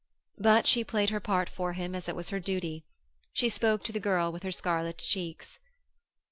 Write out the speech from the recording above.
But she played her part for him as it was her duty. She spoke to the girl with her scarlet cheeks.